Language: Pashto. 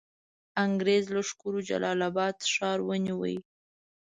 انګرېز لښکرو جلال آباد ښار ونیوی.